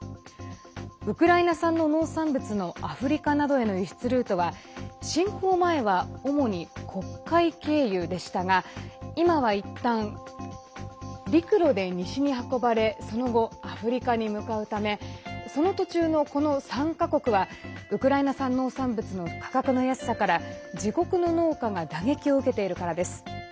ウクライナ産の農産物のアフリカなどへの輸出ルートは侵攻前は、主に黒海経由でしたが今はいったん陸路で西に運ばれその後、アフリカに向かうためその途中の、この３か国はウクライナ産農産物の価格の安さから自国の農家が打撃を受けているからです。